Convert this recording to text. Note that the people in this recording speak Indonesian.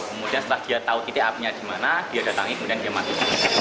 kemudian setelah dia tahu titik apinya di mana dia datangi kemudian dia mati